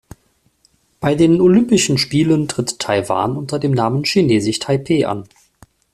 Bei den Olympischen Spielen tritt Taiwan unter dem Namen „Chinesisch Taipeh“ an.